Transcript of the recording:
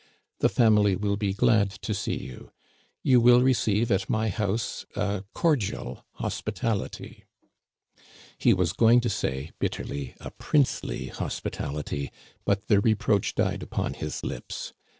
The family will be glad to see you. You will receive at my house — a cordial hospitality." He was going to say bitterly a princely hospitality, but the reproach died upon his lips.